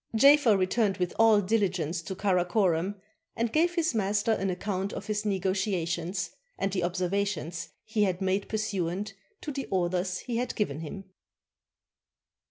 Jafer returned with all diligence to Caracorom, and gave his master an account of his negotiations, and the observa tion he had made pursuant to the orders he had given him.